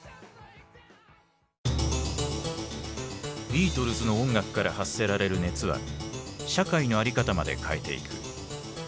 ビートルズの音楽から発せられる熱は社会の在り方まで変えていく。